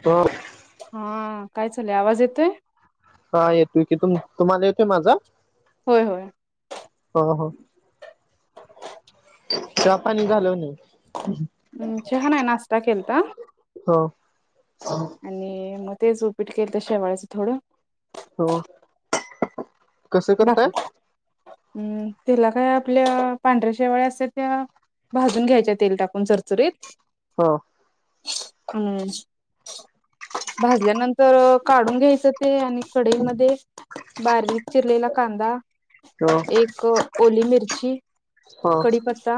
तरं. हा काय चालय आवाज येतोय? हा, येतोय की, तु तुम्हाला येतोय माझा? होय होय. हो हो. चहा पाणी झालं का नाही? हम्म, चहा नाय, नाश्ता केलता. ह आणि मग तेच उपीट केलंथ, शेवायचं थोडं हो [unintelligible] भाकरी हम्म त्याला काय आपल्याऽ पांढऱ्या शेवाळ्या असत्या त्या. भाजून घ्यायच्या तेल टाकून चरचरीत. हो. हम्म. भाजल्यानंतर काढूंन घ्यायचं ते आणि. कडई मध्ये, बारीक. पहिला कांदा, ह एक ओली मिरची‌ ह कडीपत्ता,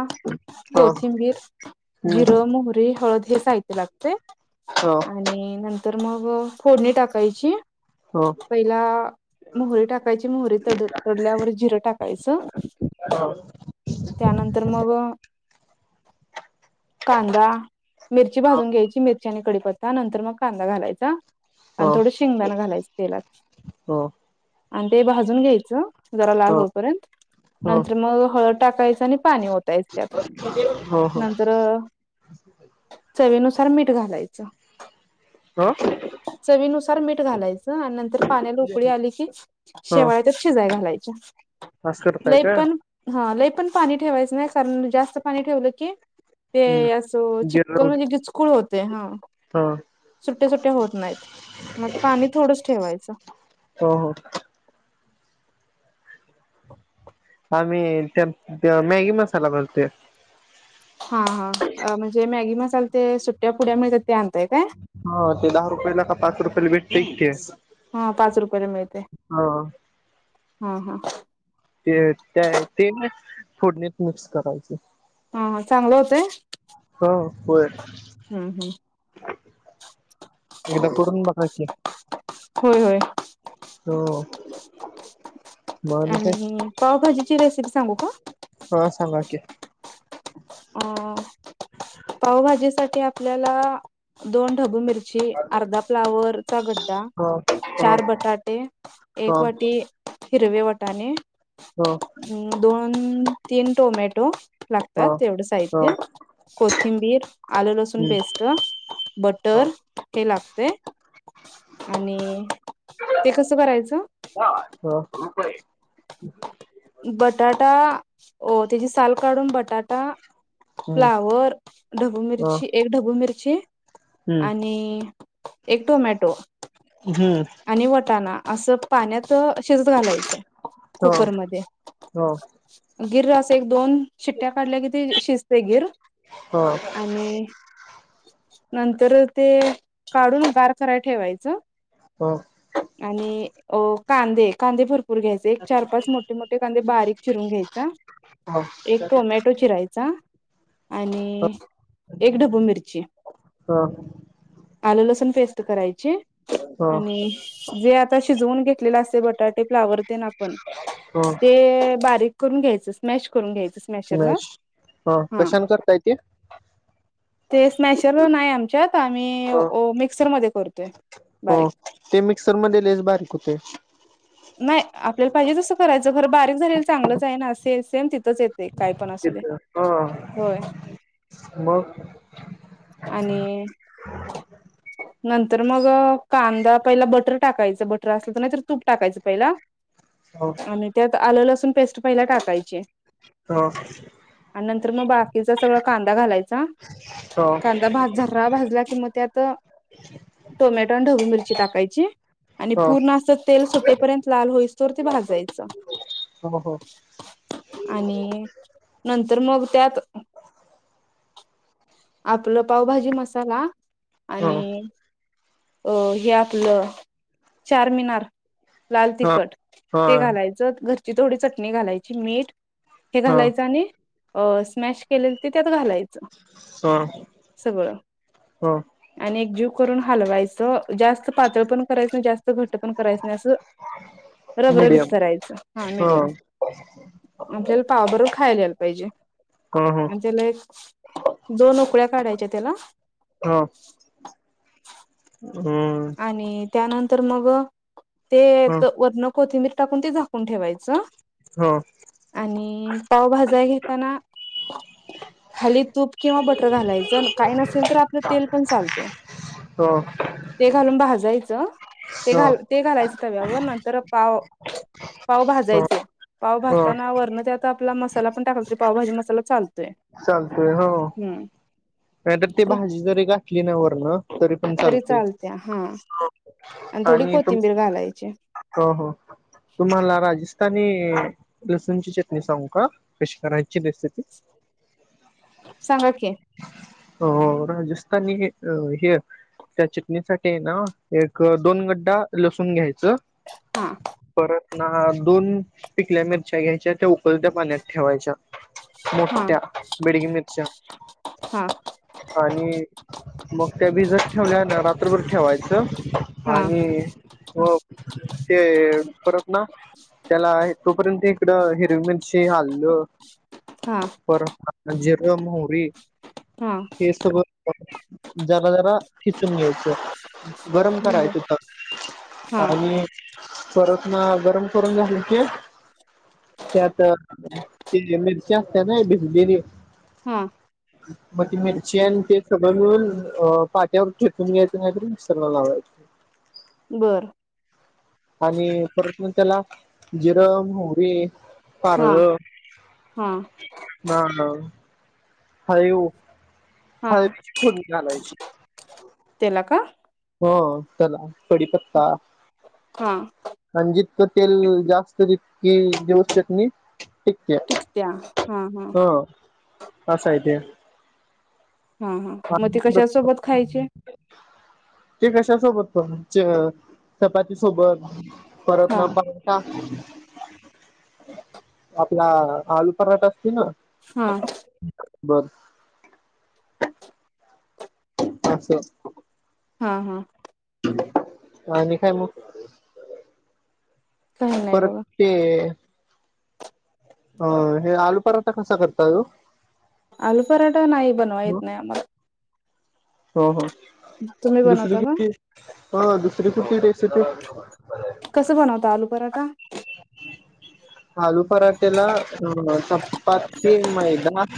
ह कोथिंबीर, हम्म जिरं, मोहरी, हळदी हे साहित्य लागतय. हो. आणि नंतर मग फोडणी टाकायची ह ह पयला मोहरी टाकायची, मोहरी तड तडल्यावर, जिरं टाकायचं हॅलो? त्यानंतर मग कांदा मिर्ची भाजून घ्यायची, मिर्ची आणि कडीपत्ता नंतर मगं कांदा घालायचा आणि थोडं शेंगदानं घालायचं तेलातच. ह आणि ते भाजून घ्यायचं, जरा ह लाल होपर्यंत ह नंतर मग हळद टाकायचं आणि पाणी ओतायच त्यात, हो हो नंतर चवीनुसार मीठ घालायचं. हं? चवीनुसार मीठ घालायचं आणि नंतर पाण्याला उकळी आली की, ह शेवाया शिजाय घालायच्या, अस करताय लय का पण हा लय पण पाणी ठेवायचं नाही कारण जास्त पाणी ठेवलं की, ते असं हम्म चिकन गेलो म्हणजे गिचकूळ होते हा. ह सुटया सुट्या होत नाहीत, मग पाणी थोडंच ठेवायचं. हो हो. आम्ही त्यात मॅगी मसाला घालतोय. हा हा म्हणजे मॅगी मसाला ते सुट्ट्या पुड्या येत्यात ते आणताय काय? हो, ते दहा रुपयाला का पाच रुपयाला भेटतय तेेच, हा पाच रुपयाला हा. हं हं. ते त्या ते ना फोडणीत मिक्स करायचं. हा चांगलं होतय? हो होय हम्म हम्म एकदा करूंन बघा कि. [unintelligible] होय होय. हो. मग काय आणि पावभाजीची रेसिपी सांगू का? हा सांगा की अ पावभाजी साठी आपल्याला दोन ढबू मिर्ची. अर्धा फ्लावरचा गड्डा ह ह चार बटाटे एक ह वाटी. हिरव्ये वटाने हो. अ दोन तीन टोमॅटो ह ह लागतात ह तेवढं साहित्य. कोथिंबीर आल लसूण हम्म पेस्ट ह बटर हे लागते. आणि ते कसं करायचं? हो रुपय. बटाटा त्यांची साल काढूंन बटाटा हम्म फ्लावर. ढबू ह मिर्ची एक ढबू मिर्ची हम्म आणि एक टोमॅटो हम्म. आणि वटाणा असं पाण्यात शिजत घालायचं. ह कुकरमध्ये. ह ह गिर, असं एक दोन शिट्ट्या काढल्या, कि शिजतय गिर् होन. आणि नंतर ते काढून गार कराय ठेवायचं. हा. आणि अ कांदे कांदे भरपूर खूडून घ्यायचे एक चार पाच मोठे मोठे कांदे बारीक चिरून घ्यायचे एक टोमॅटो तो चिरायचा. आणि एक ढबू मिरची. ह आलू लसूण पेस्ट करायची. ह आणि जे आता शिजवून घेतलेलं असतय. बटाटे, फ्लावर आपण ह ते बारीक करून घ्यायच स्मॅश करून घ्यायचं. स्मॅशरन मॅश हा कशातं करताय ते ते स्मॅशर नाही आमच्यात आम्ही ह मिक्सरमध्ये करतोय हो बारीक ते मिक्सरमंध्ये लयंस बारीक होतें. नाही आपल्याला पाहिजे तसं करायचं खरं बारीक झालेलं चांगलंच आहे ना, सेम सेम तिथंच येतय. हां मग आणि नंतर मग कांदा पहिला, बटर टाकायचं, बटर असलं तर नाहीतर तूप टाकायचं. ऋ पहिला ह आणि त्यात आले लसूण पेस्ट पहिला टाकायची. हो. आणि नंतर मग बाकीचा सगळा कांदा घालायचा, ह कांदा भाज. खरा भाजला कि मगं त्यांत टोमॅटो आणि ढवीू मिर्ची टांकायची. आणि ह पूर्ण असं तेल सुटेपर्यंत लाल होईस परेत ते भाजायचं. हो हो आणि नंतर मग त्यात. आपलं पावभाजी मसाला ह आणि अऽ हे आपलं चार मिनार. लाल हा तिखट, हा ते घालायचं घरची थोडी चटणी घालायची मीठ. हे हा घालायचं आणि स्मॅश केलेलं ते त्यांत घालायचं. हां. सगळं आणि एकजीव करून हलवायचं. जास्त पातळ पण करायचं नाही, जास्त घट पण करायचं नाही असं. रब रबीत करायचं हा म मिडियम. हो. आपल्याला पावाबरोबर खायला याला पाहिजे. हा, हा. म्हणजे लाईक. दोन उकळ्या काढायच्या त्याला हा. हम्. आणि त्यानंतर मग ते ह वरण कोथिंबीर टाकून ते झाकून ठेवायचं. हा. आणि पावभजा घेताना खाली तूप किंवा बटर घालायचं काही नसेल तर आपलं तेल पण चालते. हो. ते घालून भाजायचं ते ह घाल. ते घालायचं तव्यावर नंतर पाव पाव ह भाजायचे पाव ह भाजताना वरण त्यात. आपला मसाला पण टाकत तरी पावभजी मसाला चालतोय. चालतोय हो. हम्म. नाहीतर ती ते भाजी जरी गाठली ना वरण तरी पण तरी चालते चालत्या हा आणि थोडी कोथिंबीर घालायची. हो हो तुम्हाला राजस्थानी लसूण ची चटणी सांगू का कश करायची रेसिपी सांगा की हो राजस्थानी अ हे त्या चिटणीसाठी ना एक दोन गड्डा लसूण घ्यायचं. हां. परत ना दोन पिकल्या मिरच्या घ्यायच्या त्या उकलत्या पाण्यात ठेवायच्या. हा मुठ बेडगी मिरच हा आणि मग त्या बी जर ठेवल्या ना रात्रभर ठेवायचं. हा आणि ते परत ना. त्याला तोपर्यंत इकडं हिरवी मिरची हल्ल. हां. पर ह जरम होरी हा हेस. जराा जराा किचून घचे. करायच बर तर हा आणि परत ना गरम करून झालं की त्यात ते मिरची असत ना भिजलेली. [unintelligible] मग ती मिरची आणि ते सगळं मिळून अ पाट्यावर टेकून घ्यायचं नाहीतर मिक्सरला लावायचं. ह. बरं. आणि परत मग त्याला जिरम मोी पर हा हा ह ह. हयू हा हयूची खूर् नि घालायची. तला का? हो चला कडी पत्ता हा आणिजितक तेल जास्त तितकीि देऊ शक नाही. ठीक टिकत्या आहे हा हा हो असा येत. हा हा मग ते कशा परत सोबत खायचे. ते कशा सोबत प चपाती सोबत परत हा ना. आपला आलू पराठा असतील ना. हा. बर. [unintelligible] हा, हा. आणि काय मग. काही नाही परत बाबा. ते, अ हे आलू पराठा कसा करता ओ. आलू पराठा नाही. बनवायत नाही आम्हाला. हो, हो, तुम्ही दुसरी बनवता का कुठली हा दुसरी कुठली रे. सती. कसं बनवता आलू पराठा? आलू पराठेला अ चपाती मैदा.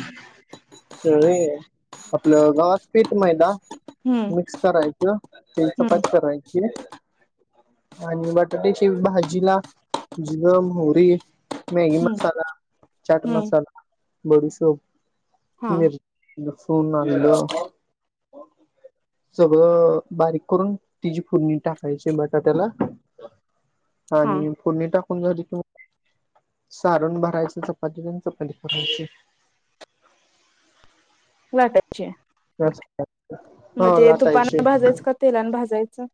आपलं घवाच पिट मैदा. हम्म मिक्स करायचं, तेची हम्म चपाती करायची. आणि बटाट्याची भाजी ला? जिर, मोहरी, मॅगी हम्म मसाला. चाट हम्म मसाला, बडीसोप हा मिरच. लसूण आल. सगळं बारीक करून तिची फुडणी टाकायची बटाट्याला. [inaudible] आणि फोडणी टाकून तिथ. सारून भरायचं चपातीला चपाती भजाय ची. लाटायचे, मग हो ते तुपाान लाटायचे भाजायचं का तेलान भाजायचं.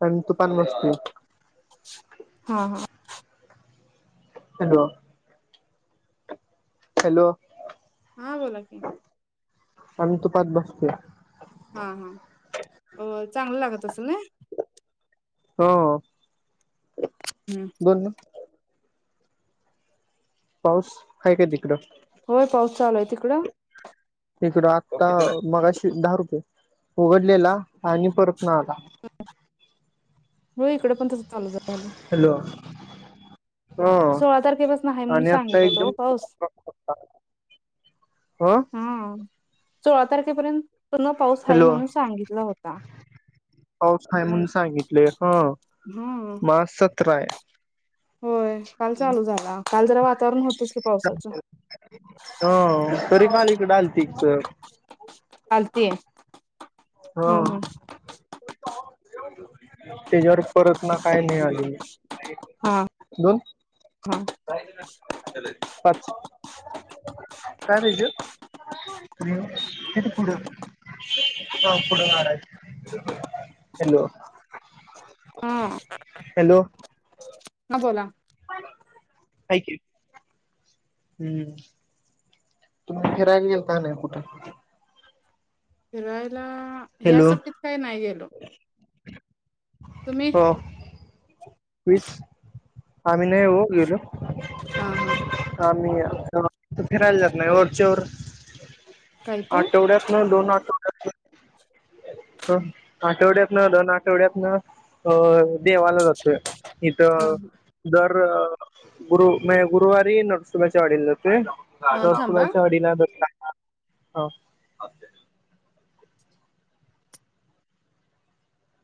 पण तूपाण भाजतोय. हा हा. हॅलो. हॅलो. हा बोला की. आम्ही तुपात बसते. हा, हा चांगलं लागत असल नि. हो. हम. बोल. पाऊस आहे काय तिकडं. होय पाऊस चालू हाय तिकडं. तिकड आत्ता मगाशी दहा रुपये उघडलेला आणि परत ना आता. म इकड होय ईकड पण तस चालू झालं. हॅलो. हो सोळा तारखे पासून आहे म्हणून आणि आता सांगितल होतो पाऊस. एकदम ह हम्म सोळा तारखेपर्यंत पूर्ण पाऊस आहे हॅलो म्हणून सांगितला होता. पाऊस आहे म्हणून सांगितले ही हा मग आज सतरा आहे. होय, काल चालू झाला, काल जरा वातावरण होतच की पावसाचं. हो तरी काल इकडे आलती सर. चालतीय हा हम्म हम्म. त्याच्यावर परत ना काय नाही आली. हा दोन, हा पाच. काय पाहिजे. घे की पुढे पुढे [unintelligible] हॅलो. हा हॅलो. हा बोला. हाय की हम्म. तुम्ही फिरायला गेल का नाही कुठं? फिरायला ह्या हॅलो सुट्टीत काय नाही गेलो. तुम्ही? विस आम्ही नाही ओ गेलो हा हा. [unintelligible] फिरायला जात नाही वरचे वर काय ते आठवड्यांतून दोन आठव [unintelligible] आठवड्यात न दोन आठवड्यात न अह देवाला जातोय इथ ह दर गुरु म्हणजे गुरुवारी नरसोबाच्या वाडीला जातोय हा ह थांबा नरसोबाच्या वाडीला जाता, हो.